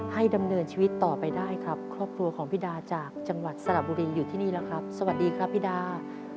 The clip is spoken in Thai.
ดำเนินชีวิตต่อไปได้ครับครอบครัวของพี่ดาจากจังหวัดสระบุรีอยู่ที่นี่แล้วครับสวัสดีครับพี่ดา